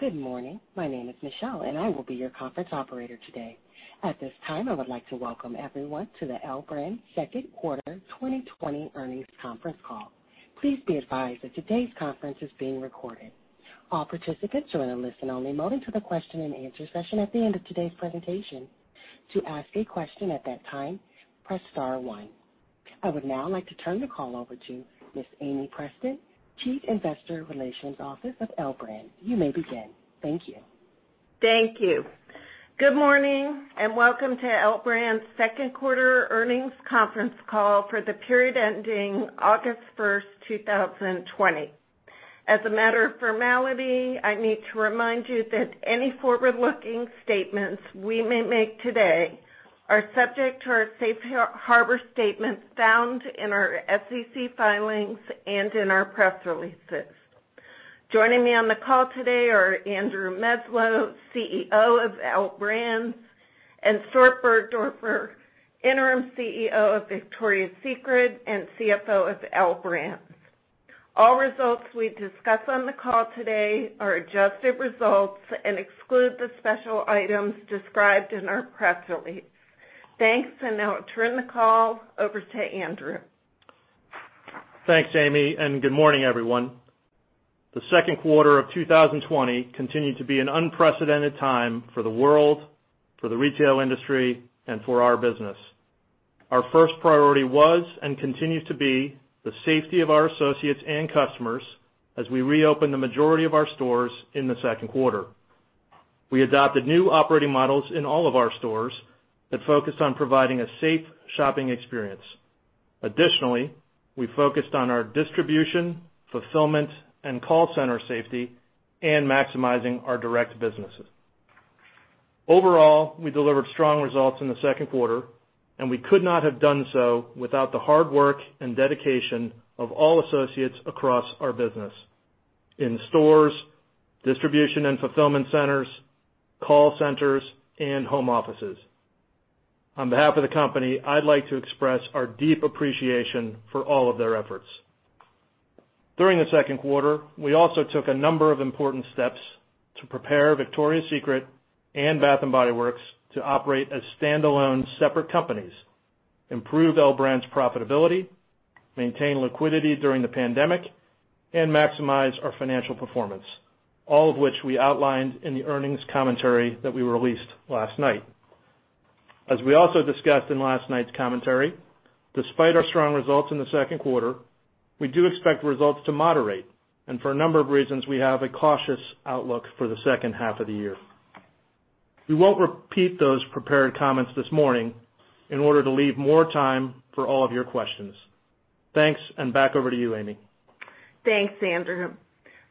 Good morning. My name is Michelle, and I will be your conference operator today. At this time, I would like to welcome everyone to the L Brands Q2 2020 Earnings Conference Call. Please be advised that today's conference is being recorded. All participants are in a listen-only mode until the question and answer session at the end of today's presentation. To ask a question at that time, press star one. I would now like to turn the call over to Ms. Amie Preston, Chief Investor Relations Officer of L Brands. You may begin. Thank you. Thank you. Good morning, and welcome to L Brands' Q2 earnings conference call for the period ending August 1st, 2020. As a matter of formality, I need to remind you that any forward-looking statements we may make today are subject to our safe harbor statements found in our SEC filings and in our press releases. Joining me on the call today are Andrew Meslow, CEO of L Brands, and Stuart Burgdoerfer, interim CEO of Victoria's Secret and CFO of L Brands. All results we discuss on the call today are adjusted results and exclude the special items described in our press release. Thanks. Now I turn the call over to Andrew. Thanks, Amie. Good morning, everyone. The Q2 of 2020 continued to be an unprecedented time for the world, for the retail industry, and for our business. Our first priority was and continues to be the safety of our associates and customers as we reopen the majority of our stores in the Q2. We adopted new operating models in all of our stores that focus on providing a safe shopping experience. Additionally, we focused on our distribution, fulfillment, and call center safety and maximizing our direct businesses. Overall, we delivered strong results in the Q2, and we could not have done so without the hard work and dedication of all associates across our business, in stores, distribution and fulfillment centers, call centers, and home offices. On behalf of the company, I'd like to express our deep appreciation for all of their efforts. During the Q2, we also took a number of important steps to prepare Victoria's Secret and Bath and Body Works to operate as standalone, separate companies, improve L Brands profitability, maintain liquidity during the pandemic, and maximize our financial performance, all of which we outlined in the earnings commentary that we released last night. We also discussed in last night's commentary, despite our strong results in the Q2, we do expect results to moderate, and for a number of reasons, we have a cautious outlook for the H2 of the year. We won't repeat those prepared comments this morning in order to leave more time for all of your questions. Thanks, and back over to you, Amie. Thanks, Andrew.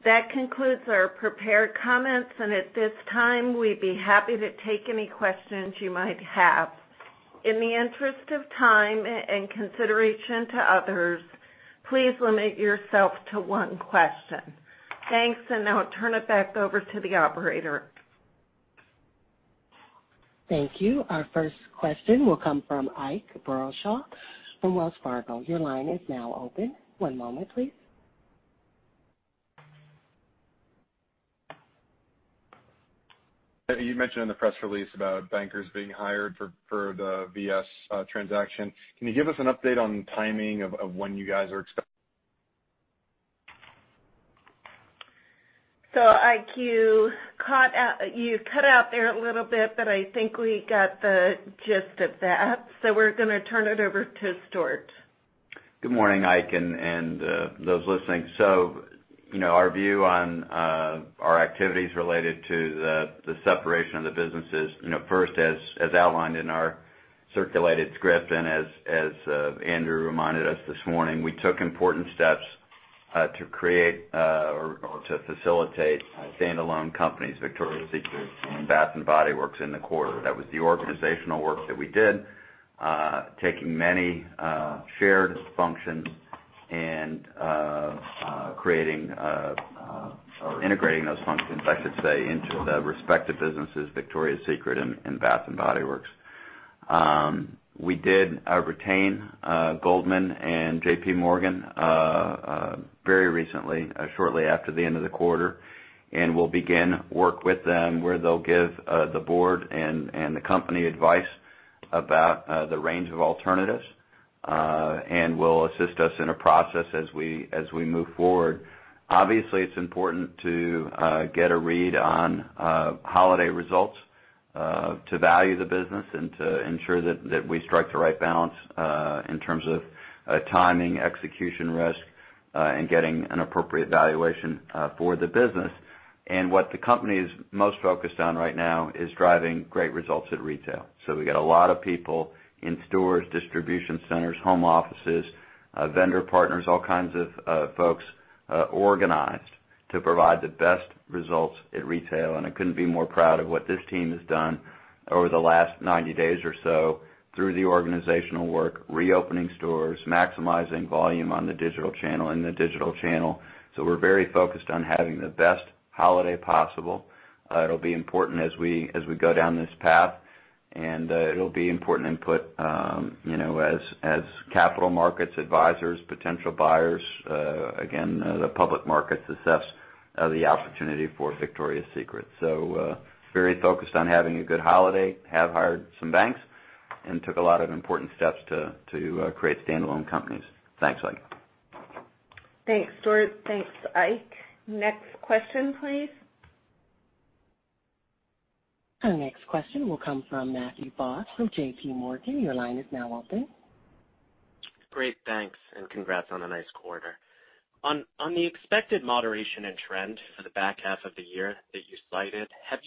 That concludes our prepared comments, and at this time, we'd be happy to take any questions you might have. In the interest of time and consideration to others, please limit yourself to one question. Thanks, and I'll turn it back over to the operator. Thank you. Our first question will come from Ike Boruchow from Wells Fargo. Your line is now open. One moment, please. You mentioned in the press release about bankers being hired for the VS transaction. Can you give us an update on the timing of when you guys are expect-? So Ike, you cut out there a little bit, but I think we got the gist of that. We're gonna turn it over to Stuart. Good morning, Ike, and those listening. Our view on our activities related to the separation of the businesses, first, as outlined in our circulated script and as Andrew reminded us this morning, we took important steps to create or to facilitate standalone companies, Victoria's Secret and Bath and Body Works in the quarter. That was the organizational work that we did, taking many shared functions and creating or integrating those functions, I should say, into the respective businesses, Victoria's Secret and Bath and Body Works. We did retain Goldman and JPMorgan very recently, shortly after the end of the quarter, we'll begin work with them where they'll give the board and the company advice about the range of alternatives, and will assist us in a process as we move forward. Obviously, it's important to get a read on holiday results, to value the business and to ensure that we strike the right balance, in terms of timing, execution risk, and getting an appropriate valuation for the business. What the company is most focused on right now is driving great results at retail. We got a lot of people in stores, distribution centers, home offices, vendor partners, all kinds of folks, organized to provide the best results at retail, and I couldn't be more proud of what this team has done over the last 90 days or so through the organizational work, reopening stores, maximizing volume on the digital channel. We're very focused on having the best holiday possible. It'll be important as we go down this path, and it'll be important input as capital markets, advisors, potential buyers, again, the public markets assess the opportunity for Victoria's Secret. Very focused on having a good holiday, have hired some banks, and took a lot of important steps to create standalone companies. Thanks, Ike. Thanks, Stuart. Thanks, Ike. Next question, please. Our next question will come from Matthew Boss from JPMorgan. Your line is now open. Great, thanks, and congrats on a nice quarter. On the expected moderation in trend for the back half of the year that you cited, have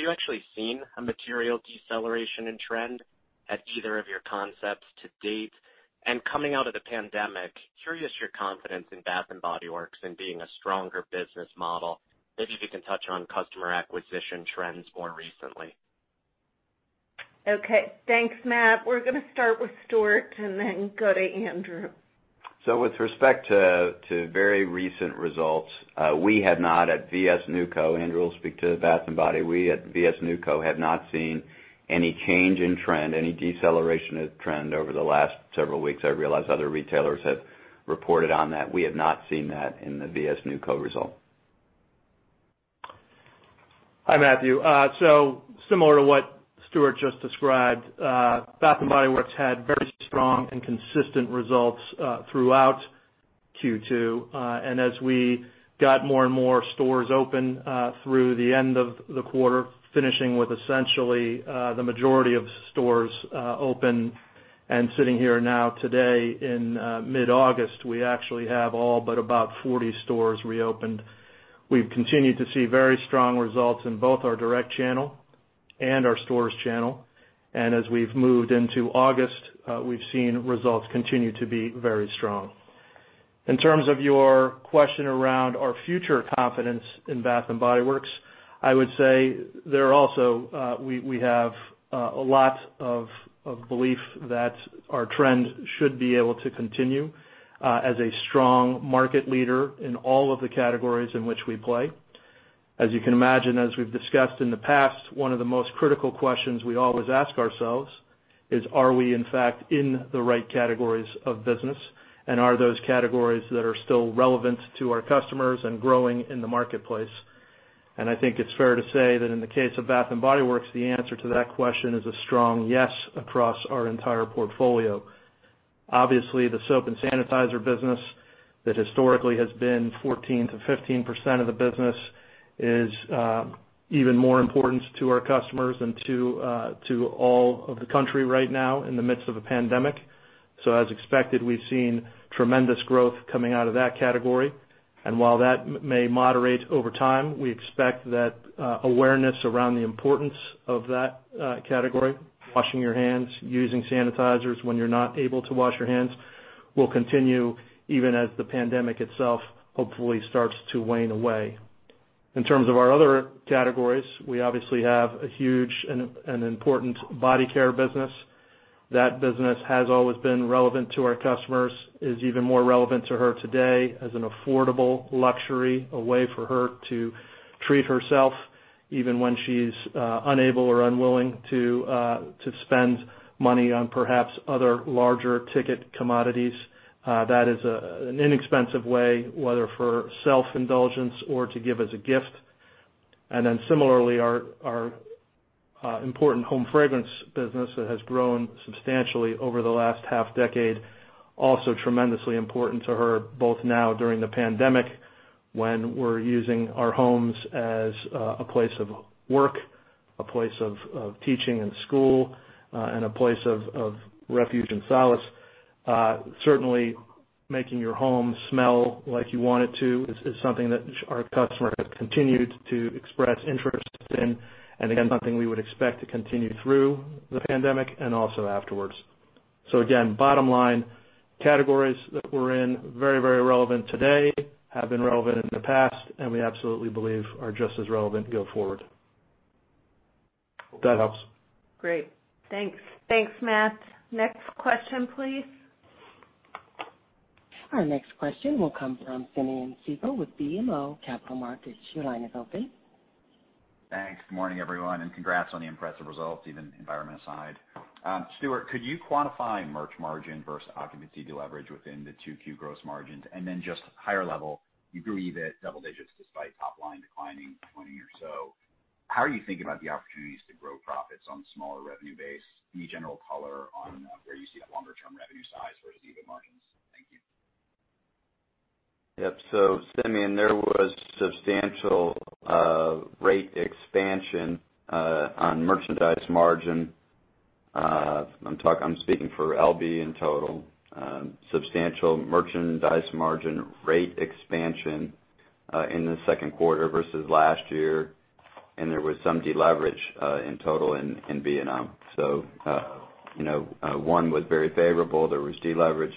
you actually seen a material deceleration in trend at either of your concepts to date? Coming out of the pandemic, curious your confidence in Bath & Body Works in being a stronger business model. Maybe if you can touch on customer acquisition trends more recently. Okay, thanks, Matthew. We're going to start with Stuart and then go to Andrew. With respect to very recent results, we have not at VS NewCo, Andrew will speak to Bath and Body, we at VS NewCo have not seen any change in trend, any deceleration of trend over the last several weeks. I realize other retailers have reported on that. We have not seen that in the VS NewCo result. Hi, Matthew. Similar to what Stuart just described, Bath and Body Works had very strong and consistent results throughout Q2. As we got more and more stores open, through the end of the quarter, finishing with essentially, the majority of stores open and sitting here now today in mid-August, we actually have all but about 40 stores reopened. We've continued to see very strong results in both our direct channel and our stores channel. As we've moved into August, we've seen results continue to be very strong. In terms of your question around our future confidence in Bath and Body Works, I would say we have a lot of belief that our trend should be able to continue as a strong market leader in all of the categories in which we play. As you can imagine, as we've discussed in the past, one of the most critical questions we always ask ourselves is are we in fact, in the right categories of business, and are those categories that are still relevant to our customers and growing in the marketplace? I think it's fair to say that in the case of Bath and Body Works, the answer to that question is a strong yes across our entire portfolio. Obviously, the soap and sanitizer business that historically has been 14% to 15% of the business is even more important to our customers and to all of the country right now in the midst of a pandemic. As expected, we've seen tremendous growth coming out of that category. While that may moderate over time, we expect that awareness around the importance of that category, washing your hands, using sanitizers when you're not able to wash your hands, will continue even as the pandemic itself hopefully starts to wane away. In terms of our other categories, we obviously have a huge and an important body care business. That business has always been relevant to our customers, is even more relevant to her today as an affordable luxury, a way for her to treat herself even when she's unable or unwilling to spend money on perhaps other larger ticket commodities. That is an inexpensive way, whether for self-indulgence or to give as a gift. Then similarly, our important home fragrance business that has grown substantially over the last half decade, also tremendously important to her, both now during the pandemic, when we're using our homes as a place of work, a place of teaching and school, and a place of refuge and solace. Certainly making your home smell like you want it to is something that our customer has continued to express interest in, and again, something we would expect to continue through the pandemic and also afterwards. Again, bottom line, categories that we're in, very, very relevant today, have been relevant in the past, and we absolutely believe are just as relevant go forward. Hope that helps. Great. Thanks, Matthew. Next question, please. Our next question will come from Simeon Siegel with BMO Capital Markets. Your line is open. Thanks. Good morning, everyone, and congrats on the impressive results, even environment aside. Stuart, could you quantify merch margin versus occupancy deleverage within the 2Q gross margins? Just higher level, you believe it double digits despite top line declining 20 or so. How are you thinking about the opportunities to grow profits on smaller revenue base, any general color on where you see that longer term revenue size versus even margins? Thank you. Yep. So Simeon, there was substantial rate expansion on merchandise margin. I'm speaking for LB in total. Substantial merchandise margin rate expansion in the Q2 versus last year, and there was some deleverage in total in Vietnam. One was very favorable. There was deleverage,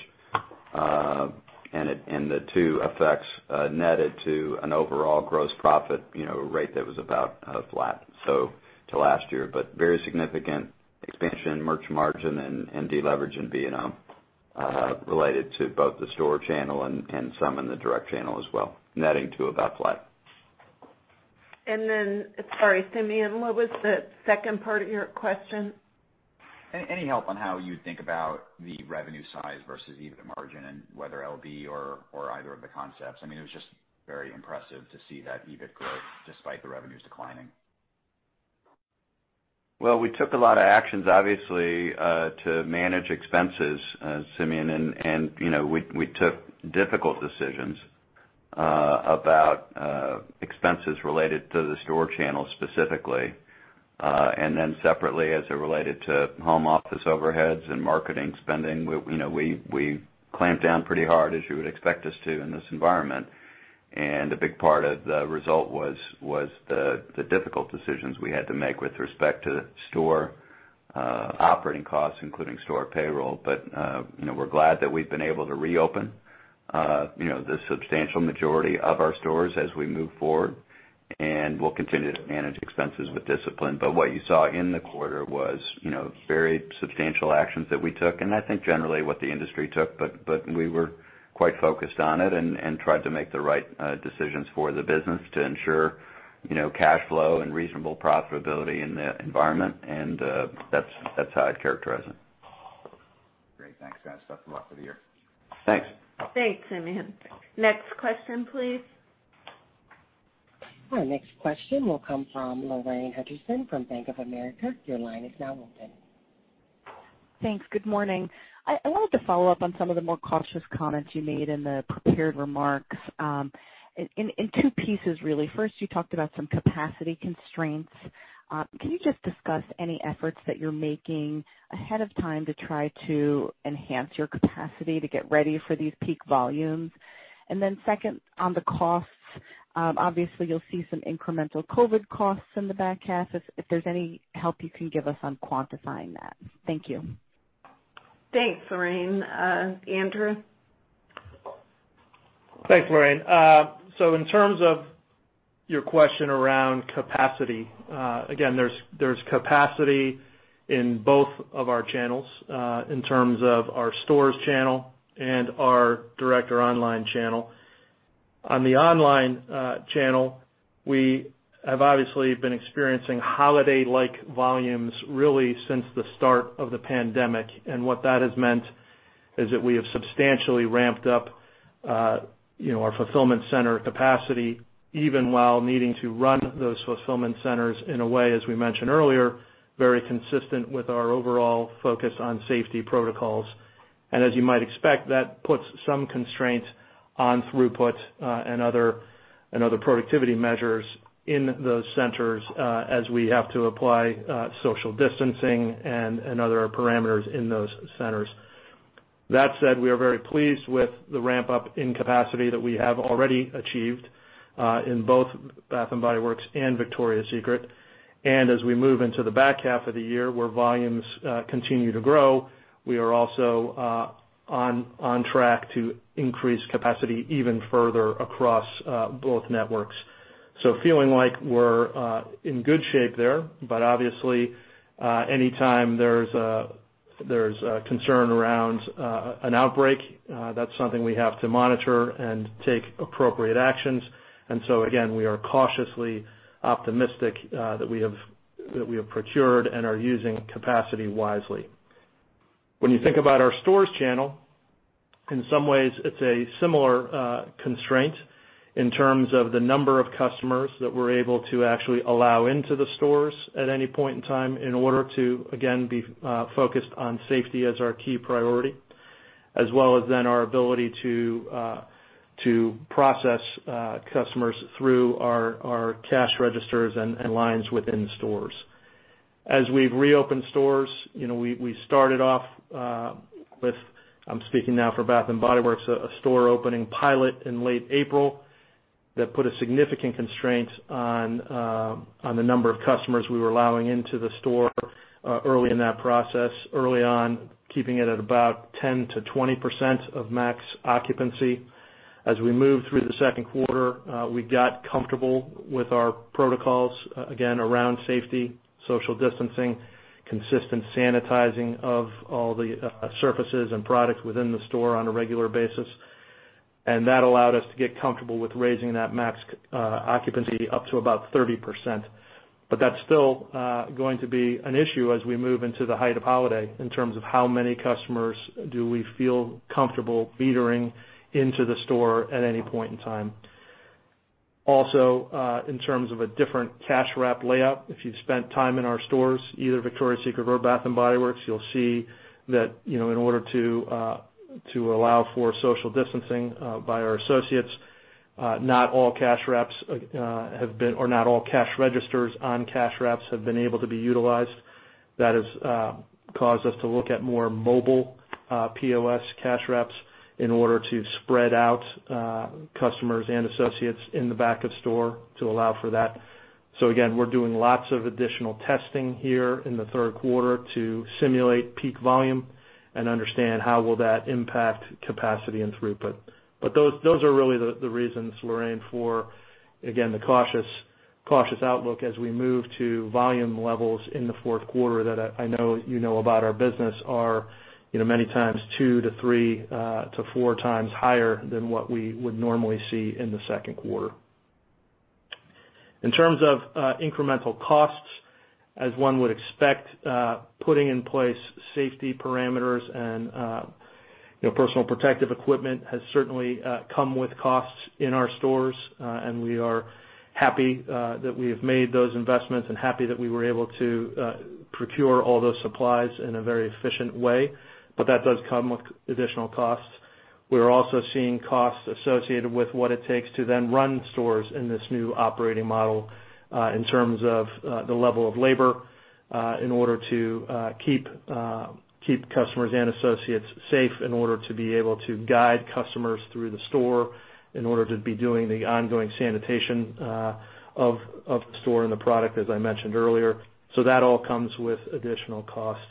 and the two effects netted to an overall gross profit rate that was about flat to last year. Very significant expansion in merch margin and deleverage in Vietnam. Related to both the store channel and some in the direct channel as well, netting to about flat. Sorry, Simeon, what was the second part of your question? Any help on how you think about the revenue size versus EBIT margin and whether it'll be or either of the concepts? It was just very impressive to see that EBIT growth despite the revenues declining. We took a lot of actions, obviously, to manage expenses, Simeon, and we took difficult decisions about expenses related to the store channel specifically. And then Separately, as it related to home office overheads and marketing spending, we clamped down pretty hard as you would expect us to in this environment. A big part of the result was the difficult decisions we had to make with respect to store operating costs, including store payroll. We're glad that we've been able to reopen the substantial majority of our stores as we move forward, and we'll continue to manage expenses with discipline. What you saw in the quarter was very substantial actions that we took, and I think generally what the industry took, but we were quite focused on it and tried to make the right decisions for the business to ensure cash flow and reasonable profitability in the environment. That's how I'd characterize it. Great. Thanks, guys. Best of luck for the year. Thanks. Thanks, Simeon. Next question, please. Our next question will come from Lorraine Hutchinson from Bank of America. Your line is now open. Thanks. Good morning. I wanted to follow up on some of the more cautious comments you made in the prepared remarks in two pieces, really. First, you talked about some capacity constraints. Can you just discuss any efforts that you're making ahead of time to try to enhance your capacity to get ready for these peak volumes? And then second, on the costs, obviously you'll see some incremental COVID costs in the back half, if there's any help you can give us on quantifying that. Thank you. Thanks, Lorraine. Andrew? Thanks, Lorraine. In terms of your question around capacity, again, there's capacity in both of our channels, in terms of our stores channel and our direct or online channel. On the online channel, we have obviously been experiencing holiday-like volumes really since the start of the pandemic. What that has meant is that we have substantially ramped up our fulfillment center capacity, even while needing to run those fulfillment centers in a way, as we mentioned earlier, very consistent with our overall focus on safety protocols. As you might expect, that puts some constraint on throughput and other productivity measures in those centers as we have to apply social distancing and other parameters in those centers. That said, we are very pleased with the ramp-up in capacity that we have already achieved, in both Bath & Body Works and Victoria's Secret. As we move into the back half of the year, where volumes continue to grow, we are also on track to increase capacity even further across both networks. Feeling like we're in good shape there, but obviously, anytime there's a concern around an outbreak, that's something we have to monitor and take appropriate actions. And so again, we are cautiously optimistic that we have procured and are using capacity wisely. When you think about our stores channel, in some ways, it's a similar constraint in terms of the number of customers that we're able to actually allow into the stores at any point in time in order to, again, be focused on safety as our key priority, as well as then our ability to process customers through our cash registers and lines within the stores. As we've reopened stores, we started off with, I'm speaking now for Bath and Body Works, a store opening pilot in late April that put a significant constraint on the number of customers we were allowing into the store early in that process, early on, keeping it at about 10% to 20% of max occupancy. As we moved through the Q2, we got comfortable with our protocols, again, around safety, social distancing, consistent sanitizing of all the surfaces and products within the store on a regular basis. That allowed us to get comfortable with raising that max occupancy up to about 30%. That's still going to be an issue as we move into the height of holiday in terms of how many customers do we feel comfortable metering into the store at any point in time. Also, in terms of a different cash wrap layout, if you've spent time in our stores, either Victoria's Secret or Bath and Body Works, you'll see that in order to allow for social distancing by our associates, not all cash wraps have been, or not all cash registers on cash wraps have been able to be utilized. That has caused us to look at more mobile POS cash wraps in order to spread out customers and associates in the back of store to allow for that. Again, we're doing lots of additional testing here in the Q3 to simulate peak volume and understand how will that impact capacity and throughput. Those are really the reasons, Lorraine, for, again. Cautious outlook as we move to volume levels in the Q4 that I know you know about our business are many times two to three to four times higher than what we would normally see in the Q2. In terms of incremental costs, as one would expect, putting in place safety parameters and personal protective equipment has certainly come with costs in our stores. We are happy that we have made those investments and happy that we were able to procure all those supplies in a very efficient way. That does come with additional costs. We are also seeing costs associated with what it takes to then run stores in this new operating model in terms of the level of labor in order to keep customers and associates safe, in order to be able to guide customers through the store, in order to be doing the ongoing sanitation of the store and the product, as I mentioned earlier. That all comes with additional costs.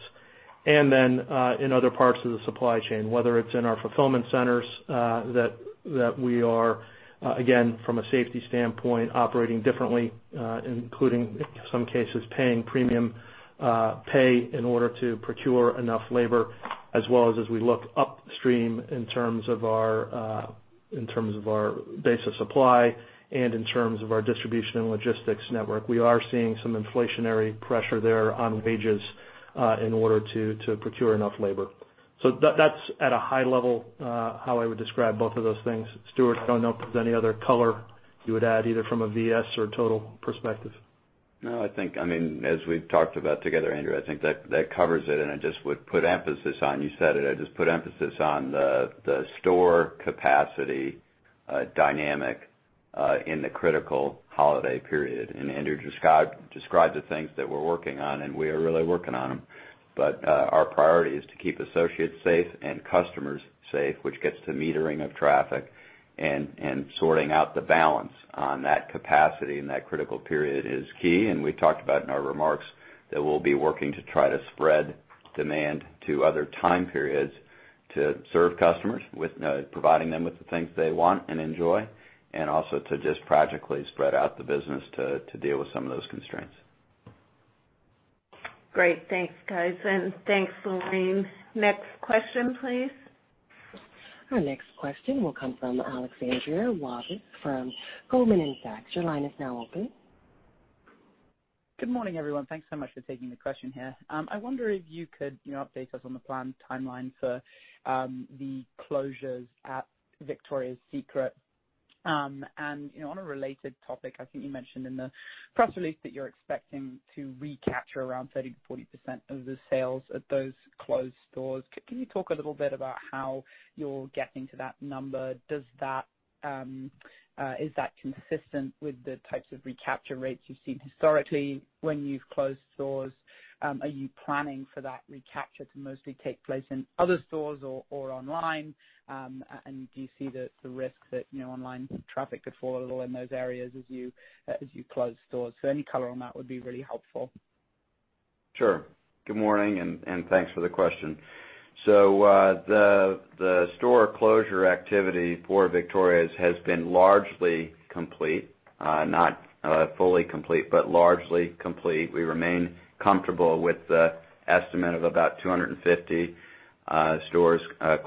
And then in other parts of the supply chain, whether it's in our fulfillment centers that we are, again, from a safety standpoint, operating differently, including some cases, paying premium pay in order to procure enough labor, as well as as we look upstream in terms of our base of supply and in terms of our distribution and logistics network. We are seeing some inflationary pressure there on wages in order to procure enough labor. So that's at a high level how I would describe both of those things. Stuart, I don't know if there's any other color you would add, either from a VS or total perspective. No. As we've talked about together, Andrew, I think that covers it, and I just would put emphasis on, you said it, I'd just put emphasis on the store capacity dynamic in the critical holiday period. Andrew described the things that we're working on, and we are really working on them. Our priority is to keep associates safe and customers safe, which gets to metering of traffic and sorting out the balance on that capacity in that critical period is key. We talked about in our remarks that we'll be working to try to spread demand to other time periods to serve customers with providing them with the things they want and enjoy, and also to just pragmatically spread out the business to deal with some of those constraints. Great. Thanks, guys, and thanks, Lorraine. Next question, please. Our next question will come from Alexandra Walvis from Goldman Sachs. Your line is now open. Good morning, everyone. Thanks so much for taking the question here. I wonder if you could update us on the planned timeline for the closures at Victoria's Secret. On a related topic, I think you mentioned in the press release that you're expecting to recapture around 30% to 40% of the sales at those closed stores. Can you talk a little bit about how you're getting to that number? Is that consistent with the types of recapture rates you've seen historically when you've closed stores? Are you planning for that recapture to mostly take place in other stores or online? Do you see the risk that online traffic could fall a little in those areas as you close stores? Any color on that would be really helpful. Sure. Good morning. Thanks for the question. So the store closure activity for Victoria's has been largely complete, not fully complete, but largely complete. We remain comfortable with the estimate of about 250 stores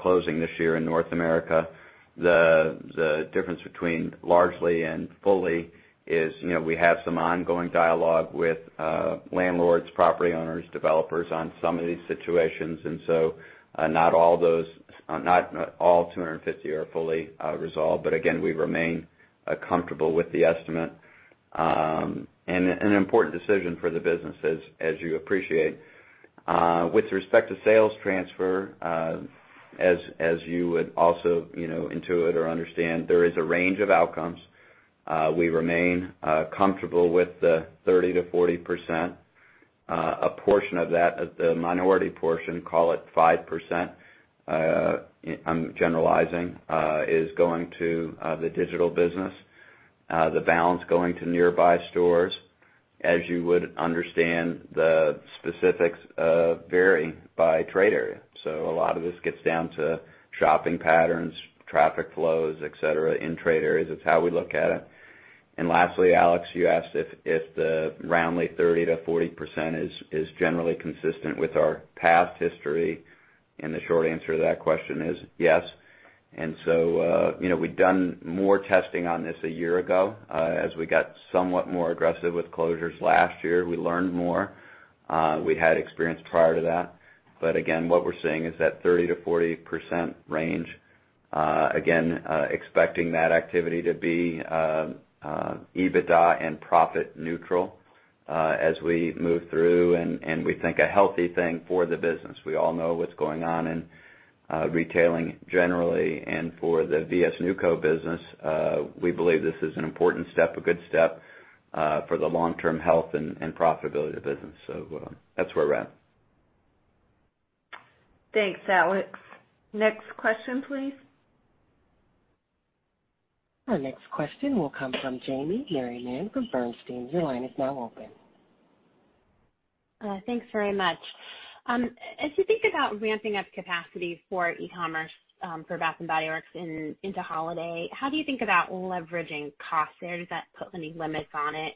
closing this year in North America. The difference between largely and fully is we have some ongoing dialogue with landlords, property owners, developers on some of these situations. Not all 250 are fully resolved, again, we remain comfortable with the estimate. An important decision for the business as you appreciate. With respect to sales transfer, as you would also intuit or understand, there is a range of outcomes. We remain comfortable with the 30% to 40%. A portion of that, the minority portion, call it 5%, I'm generalizing, is going to the digital business, the balance going to nearby stores. As you would understand, the specifics vary by trade area. A lot of this gets down to shopping patterns, traffic flows, et cetera, in trade areas. It's how we look at it. Lastly, Alex, you asked if the roundly 30% to 40% is generally consistent with our past history, and the short answer to that question is yes. And so we've done more testing on this a year ago. As we got somewhat more aggressive with closures last year, we learned more. We had experience prior to that. Again, what we're seeing is that 30% to 40% range. Again, expecting that activity to be EBITDA and profit neutral as we move through and we think a healthy thing for the business. We all know what's going on in retailing generally and for the VS NewCo business, we believe this is an important step, a good step, for the long-term health and profitability of the business. That's where we're at. Thanks, Alexandra. Next question, please. Our next question will come from Jamie Merriman from Bernstein. Your line is now open. Thanks very much. As you think about ramping up capacity for e-commerce, for Bath and Body Works into holiday, how do you think about leveraging costs there? Does that put any limits on it?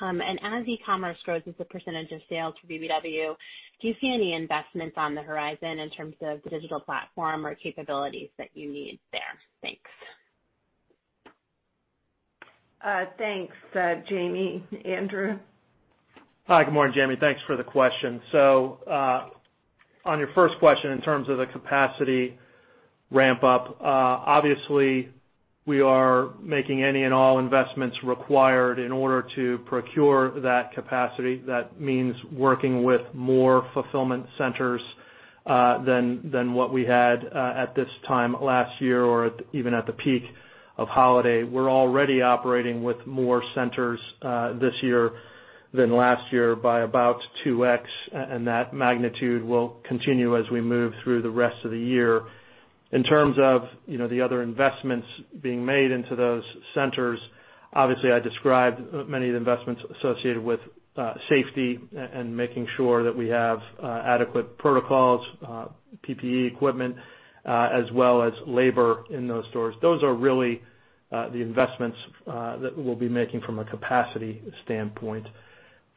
And as e-commerce grows as a percentage of sales for BBW, do you see any investments on the horizon in terms of the digital platform or capabilities that you need there? Thanks. Thanks, Jamie. Andrew? Hi. Good morning, Jamie. Thanks for the question. So on your first question, in terms of the capacity ramp up, obviously we are making any and all investments required in order to procure that capacity. That means working with more fulfillment centers than what we had at this time last year or even at the peak of holiday. We're already operating with more centers this year than last year by about two x, and that magnitude will continue as we move through the rest of the year. In terms of the other investments being made into those centers, obviously I described many of the investments associated with safety and making sure that we have adequate protocols, PPE equipment, as well as labor in those stores. Those are really the investments that we'll be making from a capacity standpoint.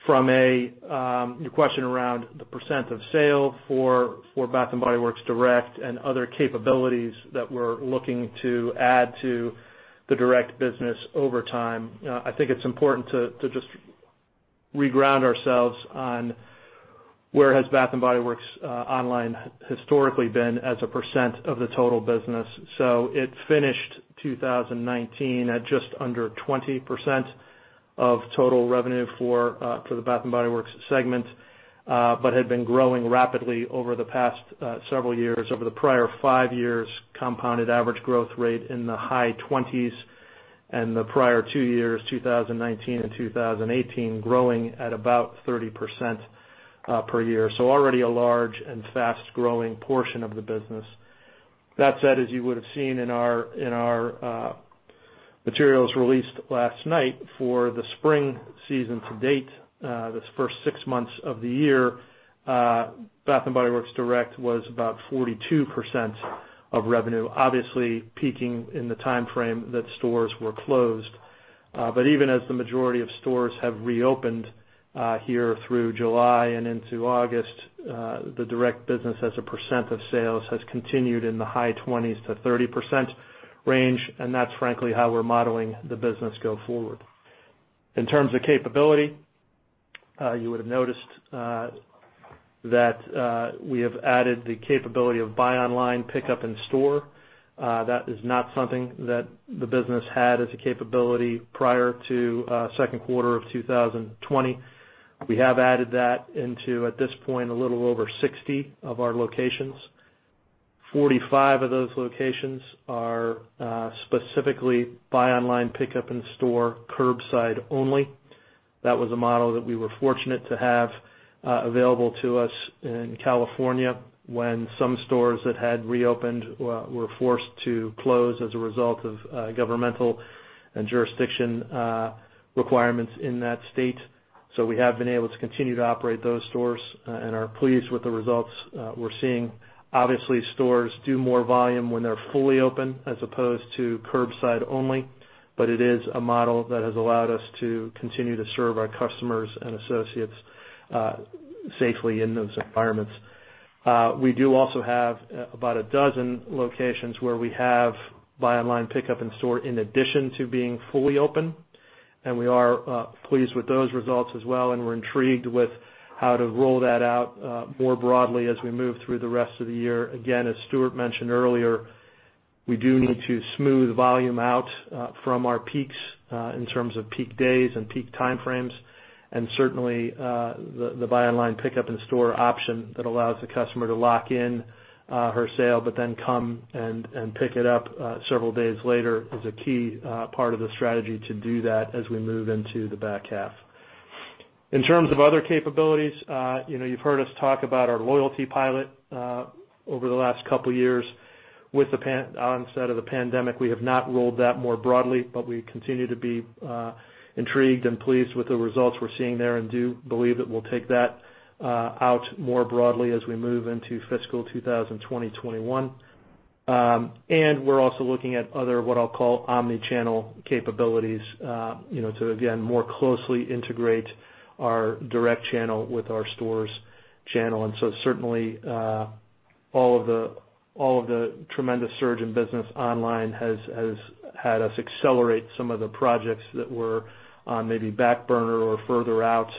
From your question around the percent of sale for Bath and Body Works direct and other capabilities that we're looking to add to the direct business over time, I think it's important to just reground ourselves on where has Bath and Body Works online historically been as a % of the total business. It finished 2019 at just under 20% of total revenue for the Bath & Body Works segment, but had been growing rapidly over the past several years. Over the prior five years, compounded average growth rate in the high 20s and the prior two years, 2019 and 2018, growing at about 30% per year. Already a large and fast-growing portion of the business. That said, as you would've seen in our materials released last night for the spring season to date, this first six months of the year, Bath and Body Works direct was about 42% of revenue, obviously peaking in the timeframe that stores were closed. Even as the majority of stores have reopened, here through July and into August, the direct business as a percent of sales has continued in the high 20s to 30% range, and that's frankly how we're modeling the business go forward. In terms of capability, you would've noticed that we have added the capability of buy online, pickup in store. That is not something that the business had as a capability prior to Q2 of 2020. We have added that into, at this point, a little over 60 of our locations. 45 of those locations are specifically buy online, pickup in store, curbside only. That was a model that we were fortunate to have available to us in California when some stores that had reopened were forced to close as a result of governmental and jurisdiction requirements in that state. We have been able to continue to operate those stores and are pleased with the results we're seeing. Obviously, stores do more volume when they're fully open as opposed to curbside only, but it is a model that has allowed us to continue to serve our customers and associates safely in those environments. We do also have about a dozen locations where we have buy online, pickup in store, in addition to being fully open, and we are pleased with those results as well, and we're intrigued with how to roll that out more broadly as we move through the rest of the year. Again, as Stuart mentioned earlier, we do need to smooth volume out from our peaks, in terms of peak days and peak timeframes. Certainly, the buy online, pickup in store option that allows the customer to lock in her sale but then come and pick it up several days later is a key part of the strategy to do that as we move into the back half. In terms of other capabilities, you've heard us talk about our loyalty pilot over the last couple of years. With the onset of the pandemic, we have not rolled that more broadly, but we continue to be intrigued and pleased with the results we're seeing there and do believe that we'll take that out more broadly as we move into fiscal 2020, 2021. And we're also looking at other, what I'll call omni-channel capabilities, to again, more closely integrate our direct channel with our stores channel. Certainly, all of the tremendous surge in business online has had us accelerate some of the projects that were on maybe back burner or further out,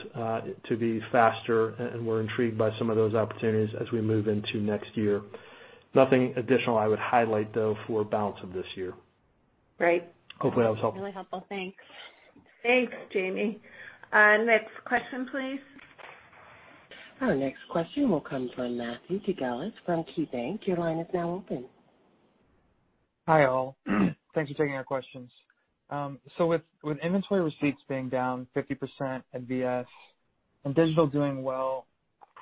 to be faster, and we're intrigued by some of those opportunities as we move into next year. Nothing additional I would highlight, though, for balance of this year. Great. Hopefully that was helpful. Really helpful. Thanks. Thanks, Jamie. Next question, please. Our next question will come from Matthew Boss from KeyBanc. Your line is now open. Hi, all. Thanks for taking our questions. With inventory receipts being down 50% at VS and digital doing well.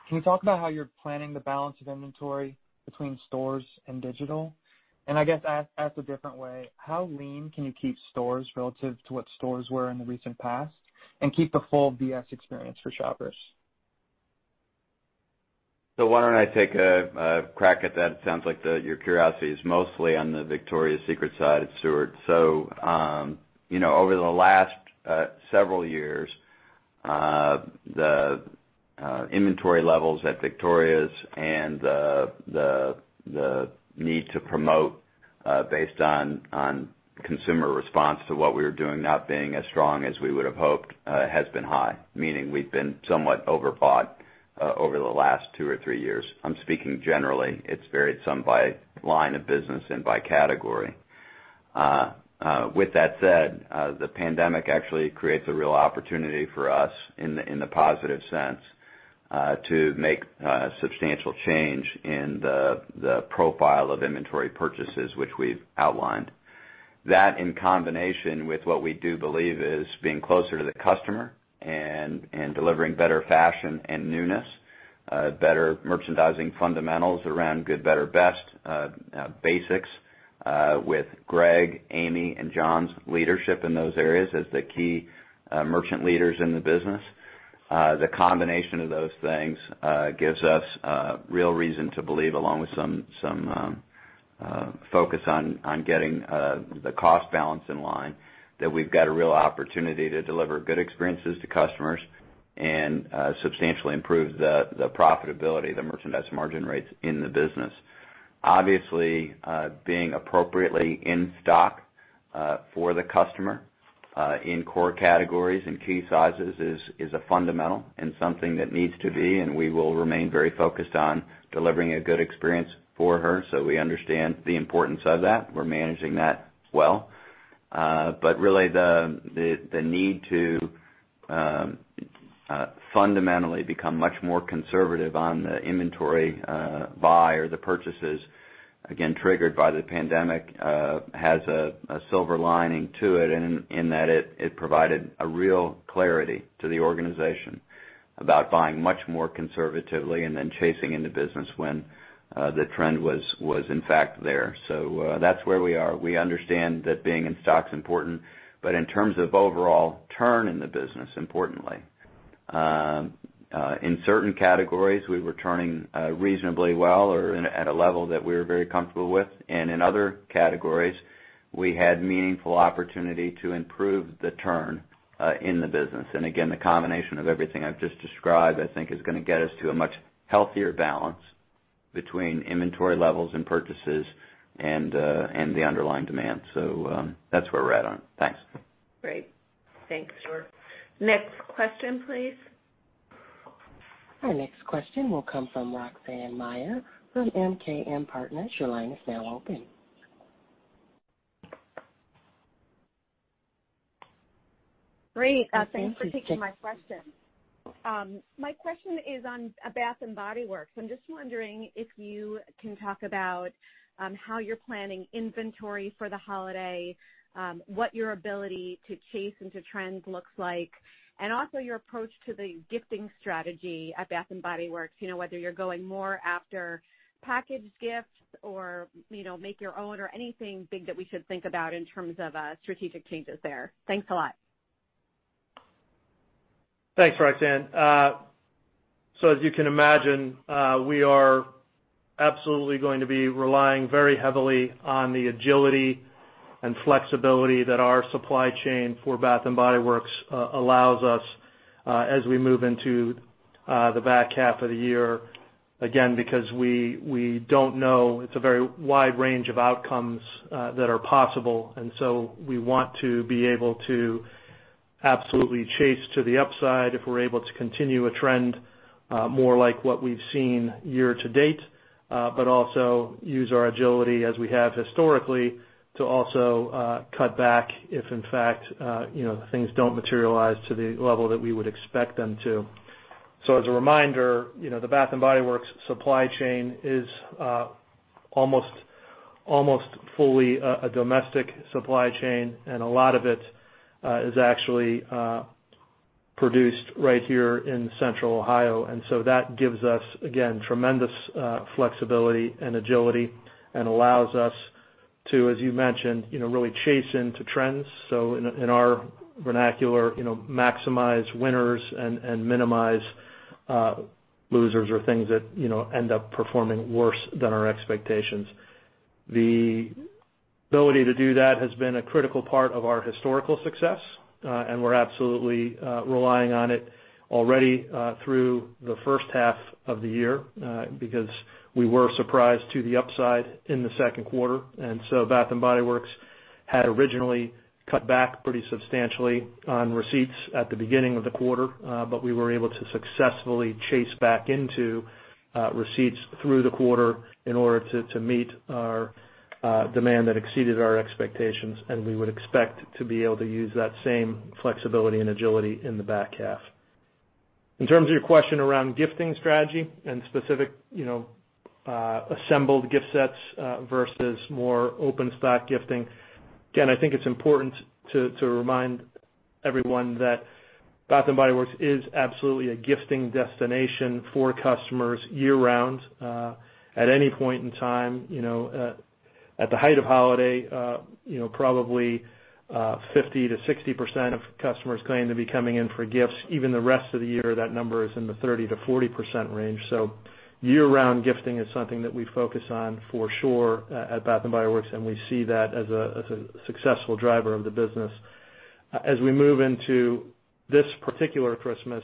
Can you talk about how you're planning the balance of inventory between stores and digital? I guess asked a different way, how lean can you keep stores relative to what stores were in the recent past and keep the full VS experience for shoppers? Why don't I take a crack at that? It sounds like your curiosity is mostly on the Victoria's Secret side of Stuart. As you know over the last several years, the inventory levels at Victoria's and the need to promote based on consumer response to what we were doing not being as strong as we would have hoped has been high, meaning we've been somewhat overbought over the last two or three years. I'm speaking generally. It's varied some by line of business and by category. With that said, the pandemic actually creates a real opportunity for us in the positive sense to make substantial change in the profile of inventory purchases, which we've outlined. That in combination with what we do believe is being closer to the customer and delivering better fashion and newness, better merchandising fundamentals around good, better, best basics with Greg, Amy, and John's leadership in those areas as the key merchant leaders in the business. The combination of those things gives us real reason to believe, along with some focus on getting the cost balance in line, that we've got a real opportunity to deliver good experiences to customers and substantially improve the profitability, the merchandise margin rates in the business. Obviously, being appropriately in stock for the customer in core categories and key sizes is a fundamental and something that needs to be, and we will remain very focused on delivering a good experience for her. We understand the importance of that. We're managing that well. But really the need to fundamentally become much more conservative on the inventory buy or the purchases, again, triggered by the pandemic, has a silver lining to it in that it provided a real clarity to the organization about buying much more conservatively and then chasing into business when the trend was in fact there. That's where we are. We understand that being in stock is important, but in terms of overall turn in the business, importantly, in certain categories, we were turning reasonably well or at a level that we were very comfortable with. In other categories, we had meaningful opportunity to improve the turn in the business. Again, the combination of everything I've just described, I think is going to get us to a much healthier balance between inventory levels and purchases and the underlying demand. That's where we're at on it. Thanks. Great. Thanks. Sure. Next question, please. Our next question will come from Roxanne Meyer from MKM Partners. Your line is now open. Great. Thanks for taking my question. My question is on Bath and Body Works. I'm just wondering if you can talk about how you're planning inventory for the holiday, what your ability to chase into trends looks like, and also your approach to the gifting strategy at Bath and Body Works, whether you're going more after packaged gifts or make your own or anything big that we should think about in terms of strategic changes there. Thanks a lot. Thanks, Roxanne. As you can imagine, we are absolutely going to be relying very heavily on the agility and flexibility that our supply chain for Bath and Body Works allows us as we move into the back half of the year, again because we don't know. It's a very wide range of outcomes that are possible. We want to be able to absolutely chase to the upside if we're able to continue a trend more like what we've seen year to date. Also use our agility as we have historically to also cut back if in fact things don't materialize to the level that we would expect them to. As a reminder, the Bath and Body Works supply chain is almost fully a domestic supply chain. A lot of it is actually produced right here in central Ohio. That gives us, again, tremendous flexibility and agility and allows us to, as you mentioned, really chase into trends. In our vernacular maximize winners and minimize losers or things that end up performing worse than our expectations. The ability to do that has been a critical part of our historical success, and we're absolutely relying on it already through the H1 of the year because we were surprised to the upside in the Q2. Bath and Body Works had originally cut back pretty substantially on receipts at the beginning of the quarter, but we were able to successfully chase back into receipts through the quarter in order to meet our demand that exceeded our expectations, and we would expect to be able to use that same flexibility and agility in the back half. In terms of your question around gifting strategy and specific assembled gift sets versus more open stock gifting, again, I think it's important to remind everyone that Bath & Body Works is absolutely a gifting destination for customers year-round at any point in time. At the height of holiday probably 50% to 60% of customers claim to be coming in for gifts. Even the rest of the year, that number is in the 30% to 40% range. Year-round gifting is something that we focus on for sure at Bath and Body Works, and we see that as a successful driver of the business. As we move into this particular Christmas,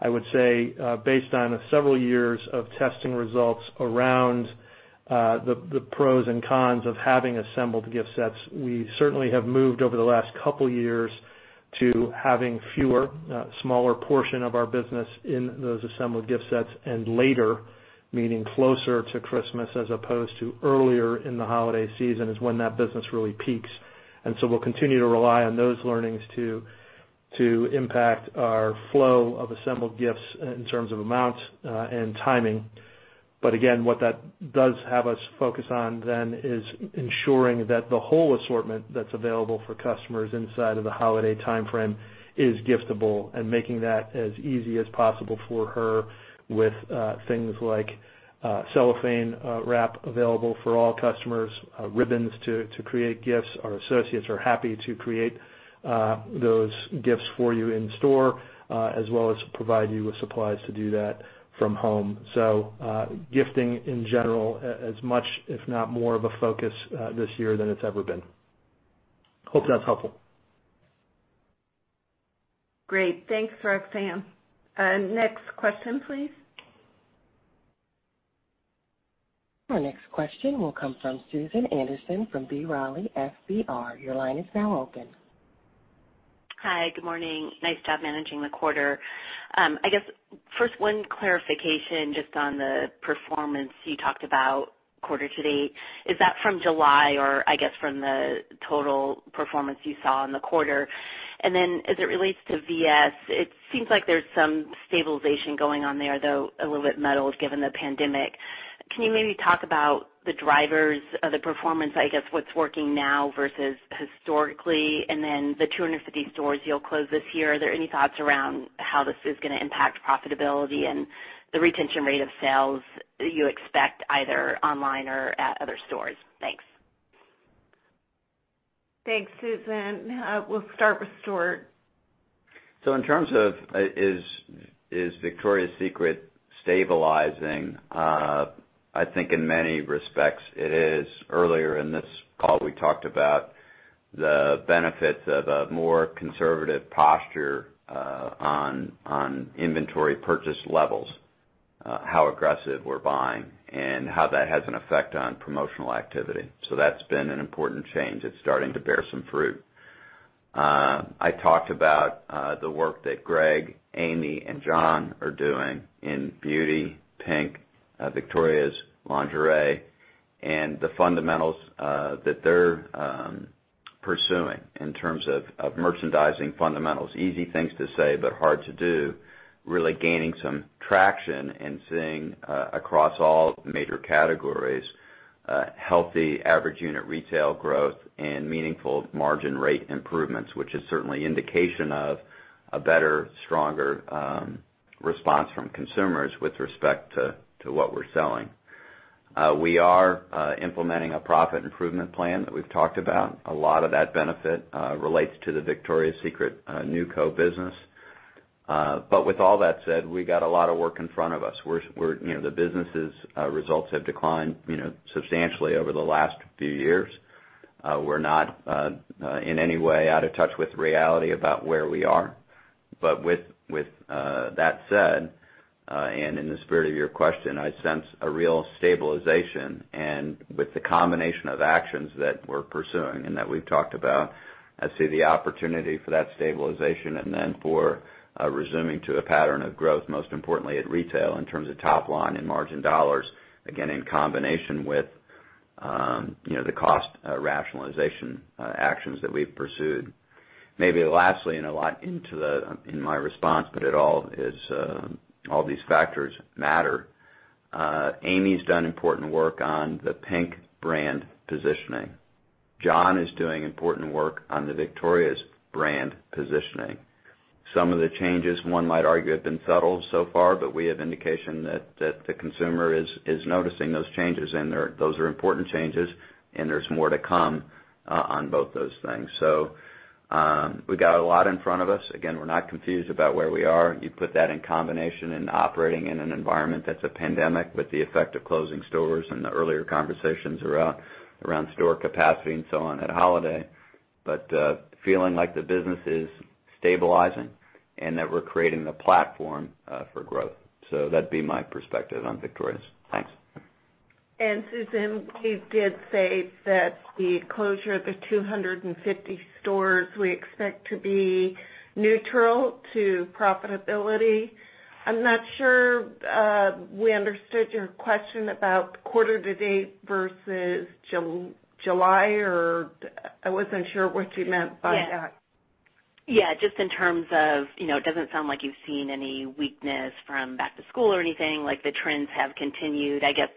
I would say, based on several years of testing results around the pros and cons of having assembled gift sets, we certainly have moved over the last two years to having fewer, smaller portion of our business in those assembled gift sets, and later, meaning closer to Christmas as opposed to earlier in the holiday season, is when that business really peaks. We'll continue to rely on those learnings to impact our flow of assembled gifts in terms of amounts and timing. But again, what that does have us focus on then is ensuring that the whole assortment that's available for customers inside of the holiday timeframe is giftable and making that as easy as possible for her with things like cellophane wrap available for all customers, ribbons to create gifts. Our associates are happy to create those gifts for you in store as well as provide you with supplies to do that from home. Gifting in general, as much if not more of a focus this year than it's ever been. Hope that's helpful. Great. Thanks, Roxanne. Next question, please. Our next question will come from Susan Anderson from B. Riley FBR. Your line is now open. Hi, good morning. Nice job managing the quarter. First, one clarification just on the performance you talked about quarter to date. Is that from July or from the total performance you saw in the quarter? As it relates to VS, it seems like there's some stabilization going on there, though a little bit muddled given the pandemic. Can you maybe talk about the drivers of the performance, what's working now versus historically, the 250 stores you'll close this year, are there any thoughts around how this is going to impact profitability and the retention rate of sales you expect either online or at other stores? Thanks. Thanks, Susan. We'll start with Stuart. In terms of is Victoria's Secret stabilizing, I think in many respects it is. Earlier in this call, we talked about the benefits of a more conservative posture on inventory purchase levels, how aggressive we're buying, and how that has an effect on promotional activity. That's been an important change. It's starting to bear some fruit. I talked about the work that Greg, Amy, and John are doing in Beauty, PINK, Victoria's lingerie, and the fundamentals that they're pursuing in terms of merchandising fundamentals, easy things to say, but hard to do, really gaining some traction and seeing across all major categories, healthy average unit retail growth and meaningful margin rate improvements, which is certainly indication of a better, stronger response from consumers with respect to what we're selling. We are implementing a profit improvement plan that we've talked about. A lot of that benefit relates to the Victoria's Secret NewCo business. With all that said, we got a lot of work in front of us. The businesses results have declined substantially over the last few years. We're not in any way out of touch with reality about where we are. With that said, and in the spirit of your question, I sense a real stabilization and with the combination of actions that we're pursuing and that we've talked about, I see the opportunity for that stabilization and then for resuming to a pattern of growth, most importantly at retail in terms of top line and margin dollars, again, in combination with the cost rationalization actions that we've pursued. Maybe lastly, and a lot into in my response, but all these factors matter. Amie's done important work on the PINK brand positioning. John is doing important work on the Victoria's brand positioning. Some of the changes one might argue have been subtle so far, but we have indication that the consumer is noticing those changes, and those are important changes, and there's more to come on both those things. We got a lot in front of us. Again, we're not confused about where we are. You put that in combination in operating in an environment that's a pandemic with the effect of closing stores and the earlier conversations around store capacity and so on at holiday. Feeling like the business is stabilizing and that we're creating the platform for growth. That'd be my perspective on Victoria's. Thanks. Susan, we did say that the closure of the 250 stores we expect to be neutral to profitability. I'm not sure we understood your question about quarter to date versus July or I wasn't sure what you meant by that. Yeah. Just in terms of, it doesn't sound like you've seen any weakness from back to school or anything, like the trends have continued, I guess,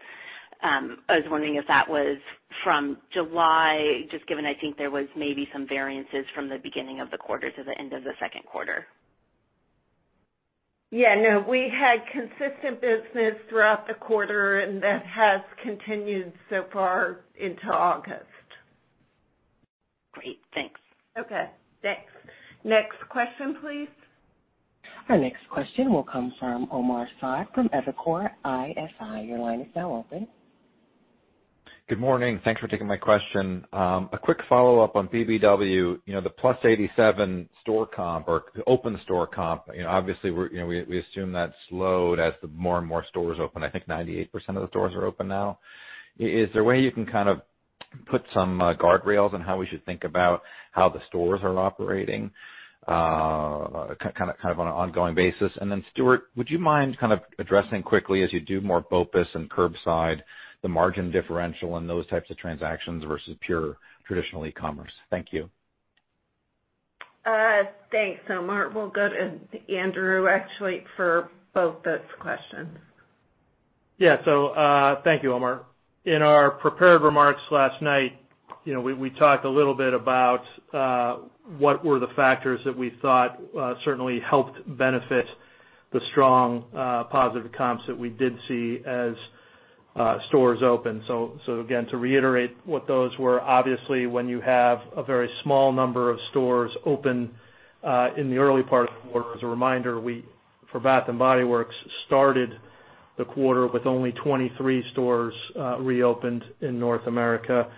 I was wondering if that was from July, just given, I think there was maybe some variances from the beginning of the quarter to the end of the Q2? Yeah, no, we had consistent business throughout the quarter, and that has continued so far into August. Great, thanks. Okay, thanks. Next question, please. Our next question will come from Omar Saad from Evercore ISI. Your line is now open. Good morning. Thanks for taking my question. A quick follow-up on BBW, the +87 store comp or open store comp. Obviously, we assume that slowed as more and more stores open. I think 98% of the stores are open now. Is there a way you can kind of put some guardrails on how we should think about how the stores are operating, kind of on an ongoing basis? Then Stuart, would you mind kind of addressing quickly as you do more BOPUS and curbside, the margin differential in those types of transactions versus pure traditional e-commerce? Thank you. Thanks, Omar. We'll go to Andrew, actually, for both those questions. Yeah. Thank you, Omar. In our prepared remarks last night, we talked a little bit about what were the factors that we thought certainly helped benefit the strong positive comps that we did see as stores opened. Again, to reiterate what those were, obviously, when you have a very small number of stores open, in the early part of the quarter, as a reminder, for Bath & Body Works, started the quarter with only 23 stores reopened in North America.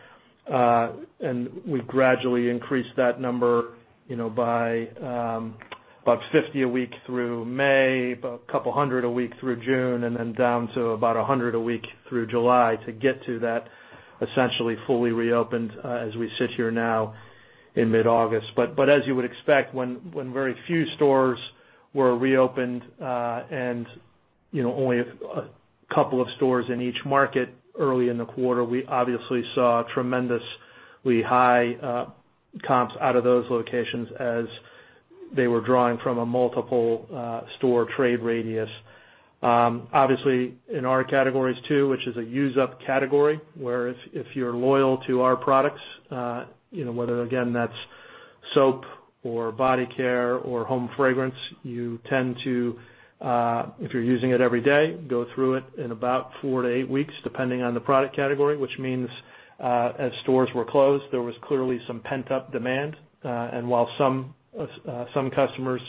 We gradually increased that number by about 50 a week through May, about 200 a week through June, then down to about 100 a week through July to get to that essentially fully reopened as we sit here now in mid-August. But as you would expect, when very few stores were reopened and only a couple of stores in each market early in the quarter, we obviously saw tremendously high comps out of those locations as they were drawing from a multiple store trade radius. In our categories too, which is a use-up category, where if you're loyal to our products, whether again, that's soap or body care or home fragrance, you tend to, if you're using it every day, go through it in about four to eight weeks, depending on the product category, which means as stores were closed, there was clearly some pent-up demand. While some customers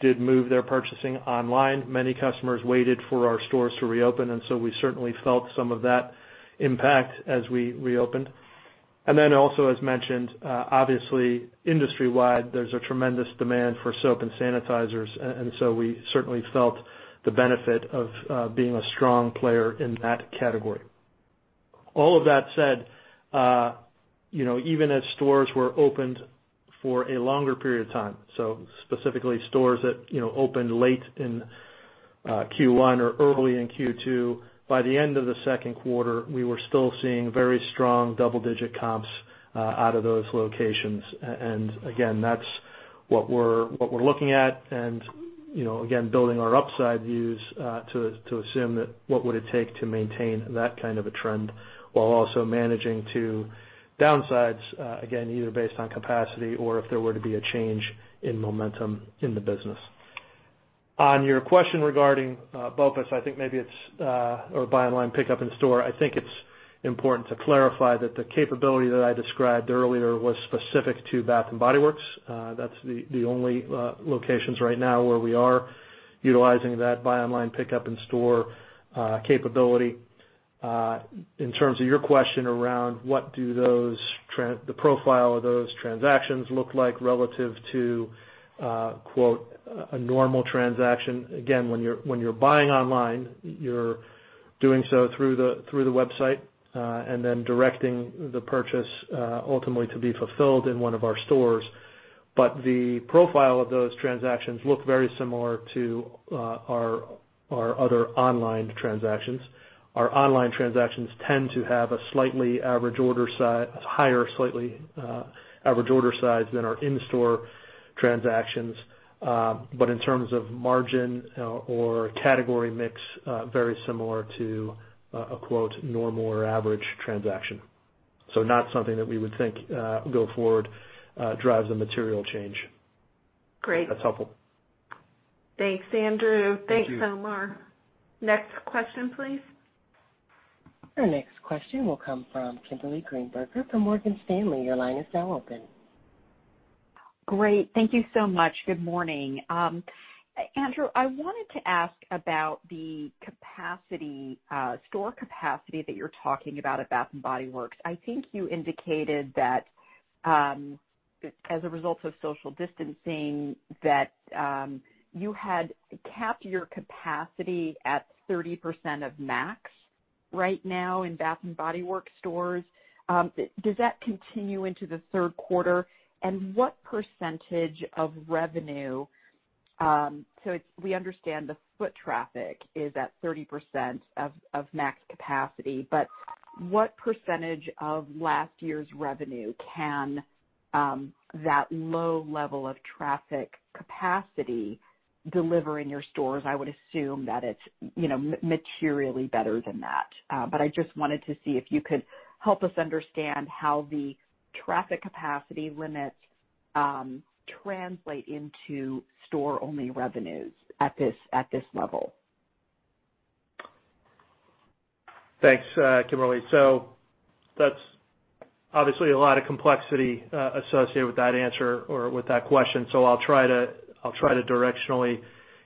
did move their purchasing online, many customers waited for our stores to reopen, and so we certainly felt some of that impact as we reopened. Also, as mentioned, obviously industry-wide, there's a tremendous demand for soap and sanitizers, and so we certainly felt the benefit of being a strong player in that category. All of that said, even as stores were opened for a longer period of time, so specifically stores that opened late in Q1 or early in Q2, by the end of the Q2, we were still seeing very strong double-digit comps out of those locations. Again, that's what we're looking at, and again, building our upside views to assume that what would it take to maintain that kind of a trend while also managing to downsides, again, either based on capacity or if there were to be a change in momentum in the business. On your question regarding BOPUS, or buy online, pick up in store, I think it's important to clarify that the capability that I described earlier was specific to Bath and Body Works. That's the only locations right now where we are utilizing that buy online, pick up in store capability. In terms of your question around what do the profile of those transactions look like relative to, quote, "a normal transaction," again, when you're buying online, you're doing so through the website, and then directing the purchase ultimately to be fulfilled in one of our stores. But the profile of those transactions look very similar to our other online transactions. Our online transactions tend to have a higher slightly average order size than our in-store transactions. But in terms of margin or category mix, very similar to a, quote, "normal or average transaction." Not something that we would think go forward drives a material change. Great. If that's helpful. Thanks, Andrew. Thank you. Thanks, Omar. Next question, please. Our next question will come from Kimberly Greenberger from Morgan Stanley. Your line is now open. Great. Thank you so much. Good morning. Andrew, I wanted to ask about the store capacity that you're talking about at Bath and Body Works. I think you indicated that as a result of social distancing, that you had capped your capacity at 30% of max right now in Bath and Body Works stores. Does that continue into the Q3? What percentage of revenue, so we understand the foot traffic is at 30% of max capacity, but what percentage of last year's revenue can that low level of traffic capacity deliver in your stores. I would assume that it's materially better than that. I just wanted to see if you could help us understand how the traffic capacity limits translate into store-only revenues at this level. Thanks, Kimberly. So that's obviously a lot of complexity associated with that answer or with that question. I'll try to directionally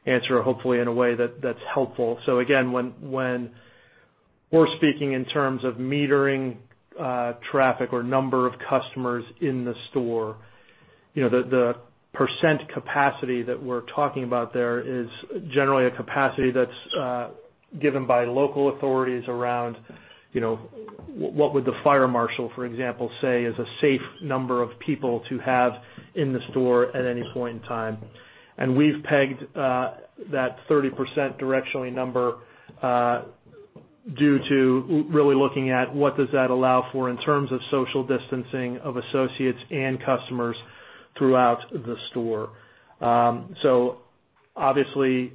answer, hopefully in a way that's helpful. Again, when we're speaking in terms of metering traffic or number of customers in the store, the % capacity that we're talking about there is generally a capacity that's given by local authorities around what would the fire marshal, for example, say is a safe number of people to have in the store at any point in time. We've pegged that 30% directionally number due to really looking at what does that allow for in terms of social distancing of associates and customers throughout the store. So obviously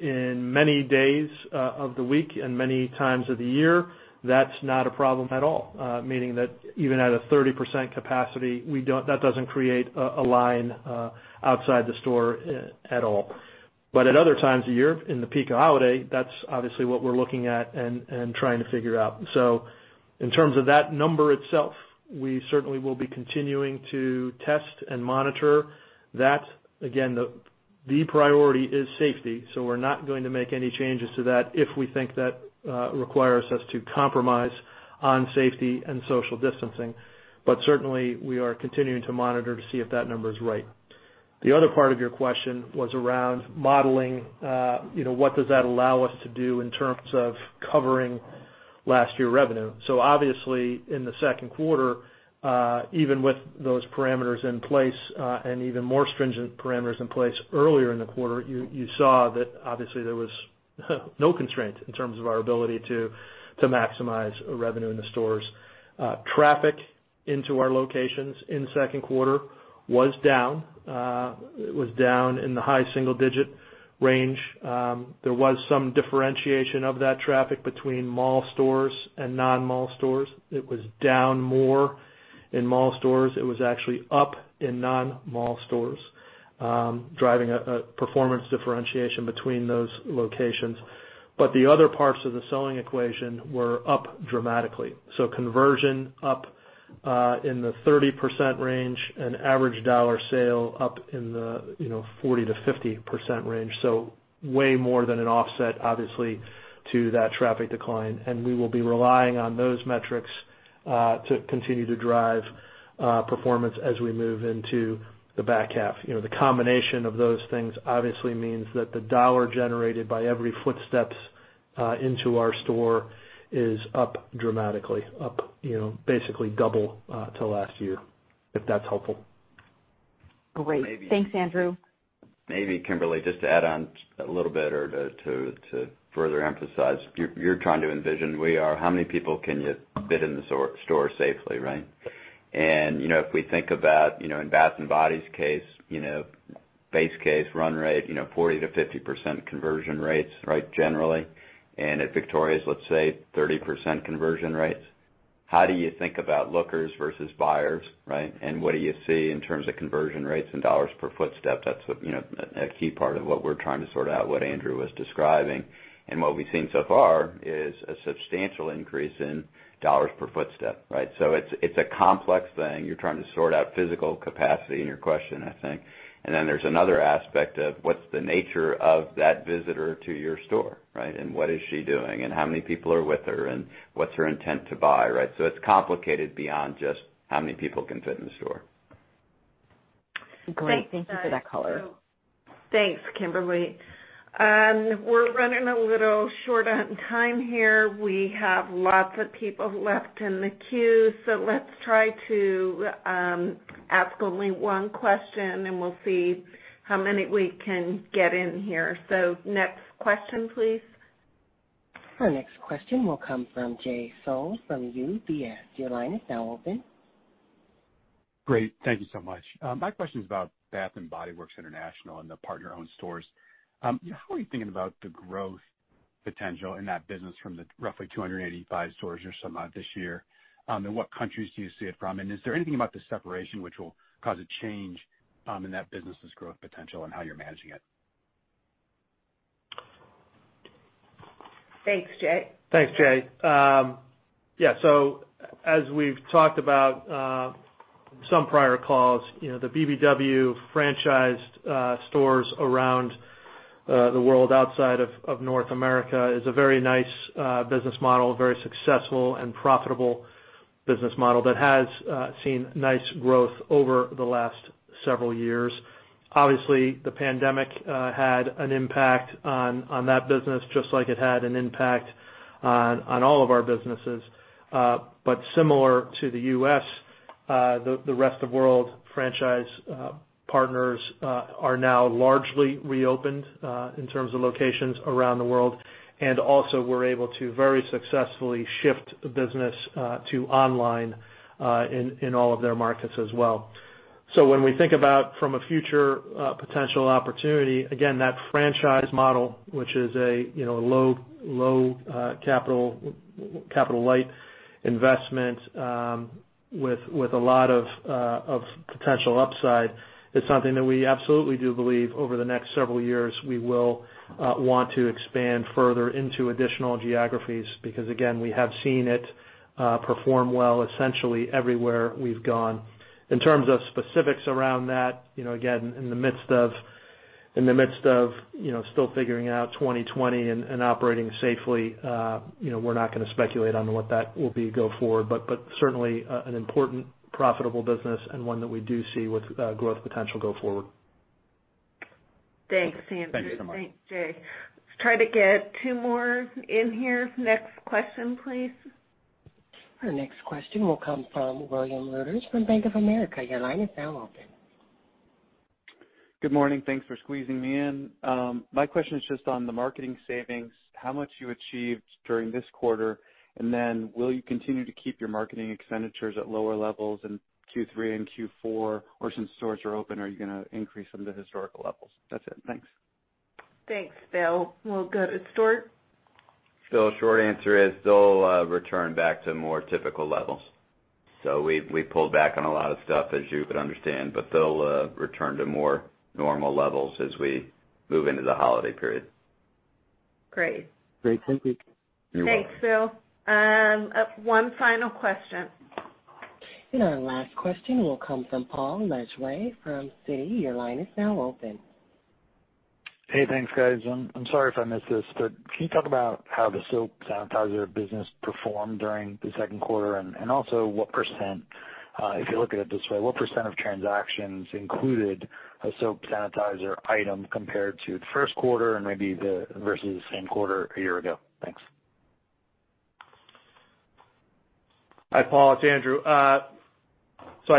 in many days of the week and many times of the year, that's not a problem at all. Meaning that even at a 30% capacity, that doesn't create a line outside the store at all. At other times of year, in the peak of holiday, that's obviously what we're looking at and trying to figure out. So in terms of that number itself, we certainly will be continuing to test and monitor that. Again, the priority is safety, so we're not going to make any changes to that if we think that requires us to compromise on safety and social distancing. Certainly, we are continuing to monitor to see if that number is right. The other part of your question was around modeling. What does that allow us to do in terms of covering last year's revenue? So obviously, in the Q2, even with those parameters in place, and even more stringent parameters in place earlier in the quarter, you saw that obviously there was no constraint in terms of our ability to maximize revenue in the stores. Traffic into our locations in the Q2 was down. It was down in the high single-digit range. There was some differentiation of that traffic between mall stores and non-mall stores. It was down more in mall stores. It was actually up in non-mall stores, driving a performance differentiation between those locations. The other parts of the selling equation were up dramatically. Conversion up in the 30% range and average dollar sale up in the 40% to 50% range. Way more than an offset, obviously, to that traffic decline. We will be relying on those metrics to continue to drive performance as we move into the back half. The combination of those things obviously means that the dollar generated by every footstep into our store is up dramatically, up basically double to last year, if that's helpful. Great. Thanks, Andrew. Maybe, Kimberly, just to add on a little bit or to further emphasize. You're trying to envision, we are, how many people can you fit in the store safely, right? And if we think about in Bath and Body's case, base case run rate 40% to 50% conversion rates, right, generally. At Victoria's, let's say 30% conversion rates. How do you think about lookers versus buyers, right? What do you see in terms of conversion rates and dollars per footstep? That's a key part of what we're trying to sort out, what Andrew was describing. What we've seen so far is a substantial increase in dollars per footstep, right? It's a complex thing. You're trying to sort out physical capacity in your question, I think. Then there's another aspect of what's the nature of that visitor to your store, right? What is she doing and how many people are with her, and what's her intent to buy, right? It's complicated beyond just how many people can fit in the store. Great. Thank you for that color. Thanks, Kimberly. We're running a little short on time here. We have lots of people left in the queue, let's try to ask only one question, and we'll see how many we can get in here. Next question, please. Our next question will come from Jay Sole from UBS. Your line is now open. Great. Thank you so much. My question is about Bath and Body Works International and the partner-owned stores. How are you thinking about the growth potential in that business from the roughly 285 stores or some odd this year? What countries do you see it from? Is there anything about the separation which will cause a change in that business's growth potential and how you're managing it? Thanks, Jay. Thanks, Jay. Yeah, as we've talked about some prior calls, the BBW franchised stores around the world outside of North America is a very nice business model, very successful and profitable business model that has seen nice growth over the last several years. Obviously, the pandemic had an impact on that business, just like it had an impact on all of our businesses. But similar to the U.S., the rest of world franchise partners are now largely reopened, in terms of locations around the world, and also were able to very successfully shift business to online in all of their markets as well. When we think about from a future potential opportunity, again, that franchise model, which is a low capital light investment with a lot of potential upside, is something that we absolutely do believe over the next several years, we will want to expand further into additional geographies because, again, we have seen it perform well essentially everywhere we've gone. In terms of specifics around that, again, in the midst of still figuring out 2020 and operating safely, we're not going to speculate on what that will be go forward. Certainly, an important profitable business and one that we do see with growth potential go forward. Thanks, Andrew. Thank you so much. Thanks, Jay. Let's try to get two more in here. Next question, please. Our next question will come from William Reuter from Bank of America. Your line is now open. Good morning. Thanks for squeezing me in. My question is just on the marketing savings, how much you achieved during this quarter, and then will you continue to keep your marketing expenditures at lower levels in Q3 and Q4? Since stores are open, are you going to increase them to historical levels? That's it. Thanks. Thanks, William. We'll go to Stuart. William, short answer is they'll return back to more typical levels. We pulled back on a lot of stuff, as you could understand, but they'll return to more normal levels as we move into the holiday period. Great. Thank you. You're welcome. Thanks, William. One final question. Our last question will come from Paul Lejuez from Citi. Your line is now open. Hey, thanks, guys. I'm sorry if I missed this, but can you talk about how the soap sanitizer business performed during the Q2 and also what %, if you look at it this way, what % of transactions included a soap sanitizer item compared to the Q1 and maybe versus the same quarter a year ago? Thanks. Hi, Paul. It's Andrew. I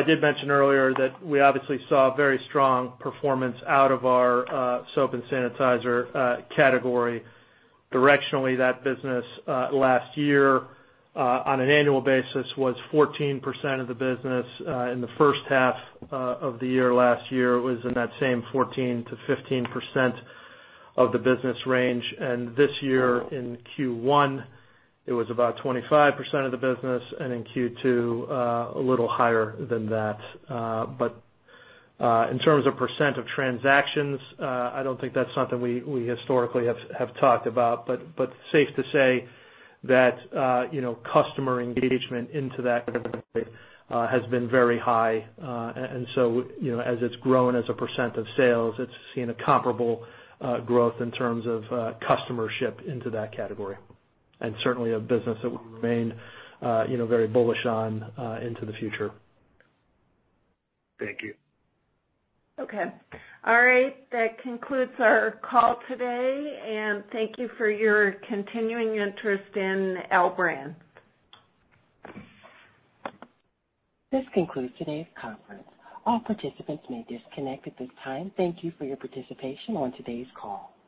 did mention earlier that we obviously saw very strong performance out of our soap and sanitizer category. Directionally, that business last year, on an annual basis, was 14% of the business. In the H1 of the year last year, it was in that same 14% to 15% of the business range. This year in Q1, it was about 25% of the business, and in Q2, a little higher than that. In terms of percent of transactions, I don't think that's something we historically have talked about, but safe to say that customer engagement into that category has been very high. As it's grown as a percent of sales, it's seen a comparable growth in terms of customership into that category. Certainly, a business that we remain very bullish on into the future. Thank you. Okay. All right. That concludes our call today, and thank you for your continuing interest in L Brands. This concludes today's conference. All participants may disconnect at this time. Thank you for your participation on today's call.